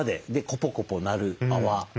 コポコポなる泡。